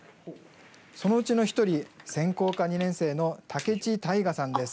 そのうちの１人専攻科２年生の武智大河さんです。